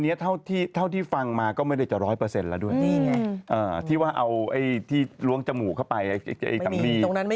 คือตอนนี้เท่าที่ฟังมาก็ไม่ได้จะร้อยเปอร์เซ็นต์แล้วด้วยที่ว่าเอาที่ล้วงจมูกเข้าไปตรงนั้นไม่เจอ